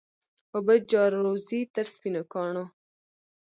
اوبه جاروزي تر سپینو کاڼو